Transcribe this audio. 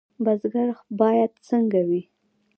بزګر باید څنګه وي؟